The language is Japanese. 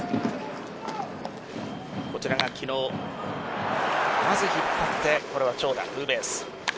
こちらが昨日まず引っ張ってこれは長打、ツーベース。